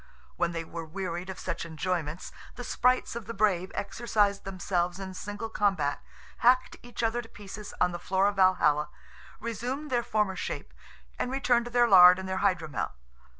When they were wearied of such enjoyments, the sprites of the Brave exercised themselves in single combat, hacked each other to pieces on the floor of Valhalla, resumed their former shape, and returned to their lard and their hydromel.